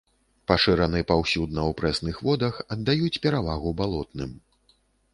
Пашыраны паўсюдна ў прэсных водах, аддаюць перавагу балотным.